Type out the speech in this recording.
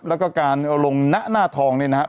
แล้วก็การลงหน้าหน้าทองนี่นะครับ